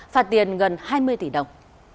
phạt tiền gần hai mươi tỷ đồng